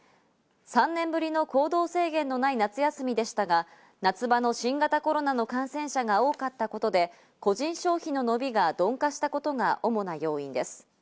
３年ぶりの行動制限のない夏休みでしたが、夏場の新型コロナの感染者が多かったことで、個人消費の伸びが鈍化したことが主な要因です。